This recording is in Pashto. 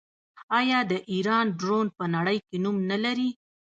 آیا د ایران ډرون په نړۍ کې نوم نلري؟